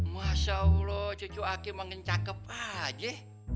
masya allah cucu aki makin cakep aja